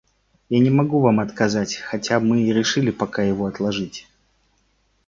Я не могу вам отказать, хотя мы и решили пока его отложить.